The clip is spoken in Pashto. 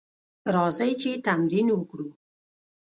راځئ چې تمرین وکړو: